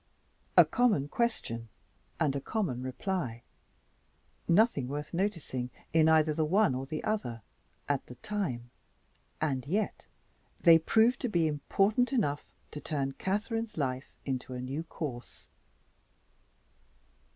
(A common question and a common reply. Nothing worth noticing, in either the one or the other, at the time and yet they proved to be important enough to turn Catherine's life into a new course.)